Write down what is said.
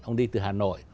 ông đi từ hà nội